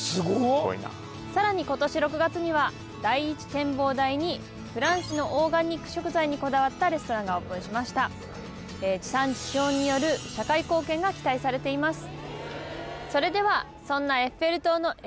さらに今年６月には第一展望台にフランスのオーガニック食材にこだわったレストランがオープンしました地産地消による社会貢献が期待されています